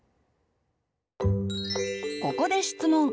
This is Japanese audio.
ここで質問。